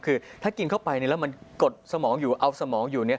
คือถ้ากินเข้าไปแล้วมันกดสมองอยู่เอาสมองอยู่